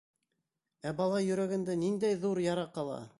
Ә бала йөрәгендә ниндәй ҙур яра ҡала?!